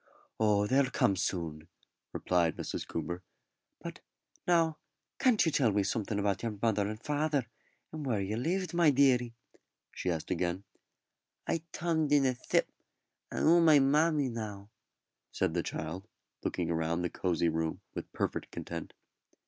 "Oh, they'll come soon," replied Mrs. Coomber. "But, now, can't you tell me something about your mother and father, and where you lived, my deary?" she asked again. "I tomed in a s'ip, and 'ou my mammy now," said the child, looking round the cosy room with perfect content.